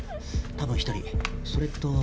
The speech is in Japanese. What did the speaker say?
多分１人それと。